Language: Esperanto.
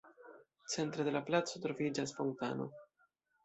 Centre de la placo troviĝas fontano.